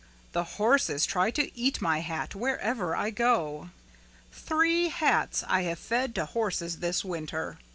"The horses try to eat my hat wherever I go. Three hats I have fed to horses this winter.